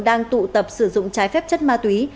đang tụ tập sử dụng trái phép chất ma túy